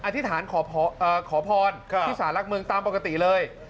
อธิษฐานขอพรที่สารหลักเมืองตามปกติเลย